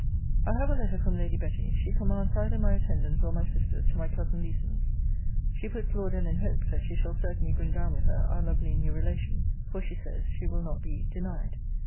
I have a letter from Lady Betty. She commands either my attendance or my sister's to my cousin Leeson's. She puts Lord M. in hopes, that she shall certainly bring down with her our lovely new relation; for she says, she will not be denied.